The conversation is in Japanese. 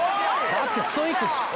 だってストイック。